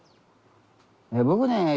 僕ね